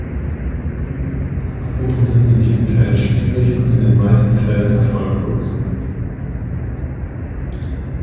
Nachsuchen sind in diesen Fällen schwierig und in den meisten Fällen erfolglos.